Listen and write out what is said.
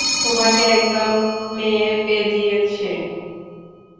তোমাকে একদল মেয়ে পেদেয়িছে।